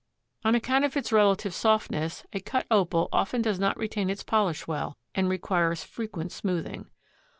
On account of its relative softness a cut Opal often does not retain its polish well and requires frequent smoothing.